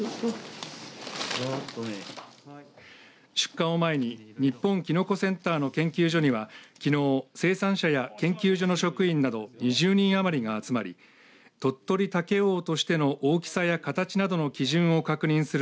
出荷を前に日本きのこセンターの研究所にはきのう生産者や研究所の職員など２０人余りが集まり鳥取茸王としての大きさや形などの基準を確認する